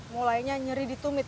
mulainya nyeri ditumit